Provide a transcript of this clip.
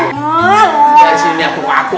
iya disini aku